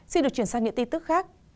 xin được chuyển sang những tin tức khác